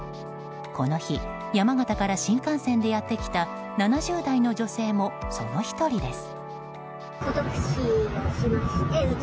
この日山形から新幹線でやってきた７０代の女性も、その１人です。